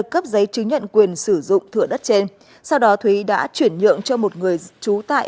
cấp giấy chứng nhận quyền sử dụng thửa đất trên sau đó thúy đã chuyển nhượng cho một người trú tại